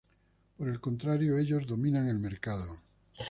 Por el contrario, ellos dominan el mercado.